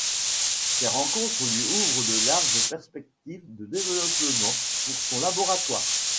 Ces rencontres lui ouvrent de larges perspectives de développement pour son laboratoire.